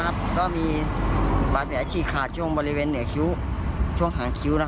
ก็มีบาดแผลฉีกขาดช่วงบริเวณเหนือคิ้วช่วงหางคิ้ว